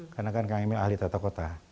karena kan kang emil ahli tata kota